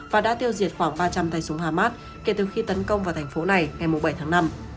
và đã tiêu diệt khoảng ba trăm linh tay súng hamas kể từ khi tấn công vào thành phố này ngày bảy tháng năm